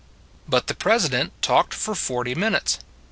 But the President talked for forty min utes.